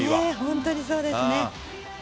本当にそうですね。